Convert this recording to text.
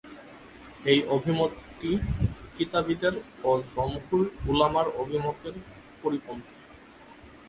এই অভিমতটি কিতাবীদের ও জমহুর উলামার অভিমতের পরিপন্থী।